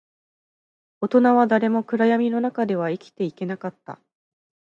大人は誰も暗闇の中では生きていけなかった